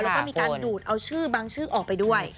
แล้วก็มีการดูดเอาชื่อบางชื่อออกไปด้วย